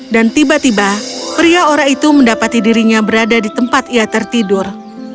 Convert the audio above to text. dan tiba tiba pria ora itu mendapati dirinya berada di tempat ia tertidur